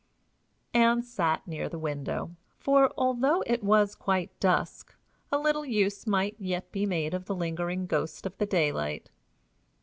Ann sat near the window, for, although it was quite dusk, a little use might yet be made of the lingering ghost of the daylight.